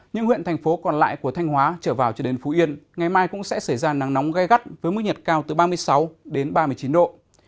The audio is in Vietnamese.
những huyện thành phố còn lại của thanh hóa trở vào cho đến phú yên ngày mai cũng sẽ xảy ra nắng nóng gai gắt với mức nhiệt cao từ ba mươi sáu đến ba mươi chín độ